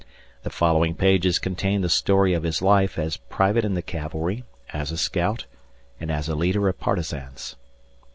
The following pages contain the story of his life as private in the cavalry, as a scout, and as a leader of partisans.